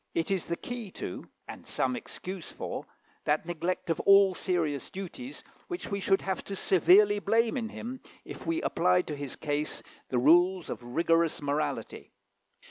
It is the key to, and some excuse for, that neglect of all serious duties which we should have to severely blame in him, if we applied to his case the rules of rigorous morality.